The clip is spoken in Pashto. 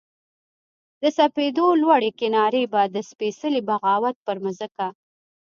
د سپېدو لوړې کنارې به د سپیڅلې بغاوت پر مځکه